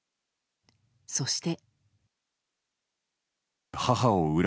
そして。